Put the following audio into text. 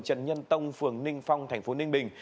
trần nhân tông phường ninh phong thành phố ninh bình